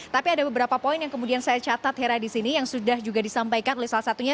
tapi ada beberapa poin yang kemudian saya catat hera di sini yang sudah juga disampaikan oleh salah satunya